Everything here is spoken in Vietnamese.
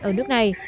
ở nước này